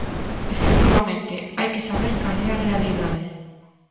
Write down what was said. Efectivamente, hai que saber cal é a realidade.